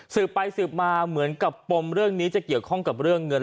สืบไปสืบมาเหมือนกับปมเรื่องนี้จะเกี่ยวข้องกับเรื่องเงิน